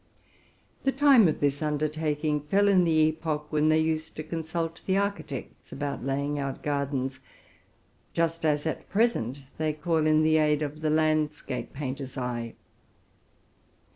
The time of this undertaking fell in the epoch when they used to con sult the architects about laying out gardens, just as at present they call in the aid of the landscape painter's eye.